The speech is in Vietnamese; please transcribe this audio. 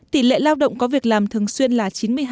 tỷ lệ lao động có việc làm thường xuyên là chín mươi hai năm mươi bảy